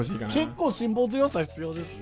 結構辛抱強さ必要ですね！